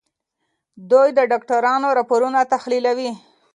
دوی د ډاکټرانو راپورونه تحليلوي.